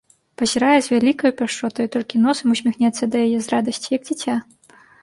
Пазірае з вялікаю пяшчотаю і толькі носам усміхнецца да яе з радасці, як дзіця.